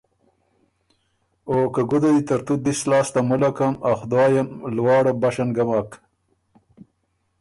او که ”ګُده دی ترتُو دِس لاسته مُلکم، ا خدای ام لواړه بشن ګه مک“